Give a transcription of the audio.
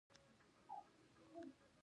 دا د وظایفو د لایحې په اساس تنظیمیږي.